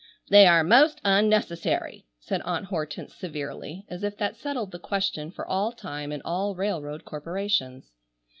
"They are most unnecessary!" said Aunt Hortense severely, as if that settled the question for all time and all railroad corporations.